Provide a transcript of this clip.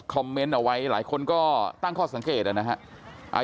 เมนต์เอาไว้หลายคนก็ตั้งข้อสังเกตนะครับ